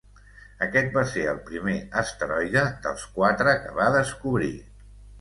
Aquest va ser el primer asteroide dels quatre que va descobrir.